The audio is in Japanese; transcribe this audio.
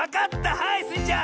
はいスイちゃん！